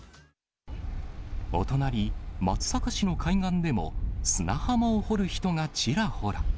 お隣、松阪市の海岸でも、砂浜を掘る人がちらほら。